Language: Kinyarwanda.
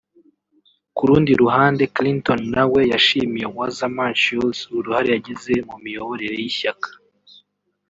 Ku rundi ruhande Clinton na we yashimiye Wasserman Schultz uruhare yagize mu miyoborere y’ishyaka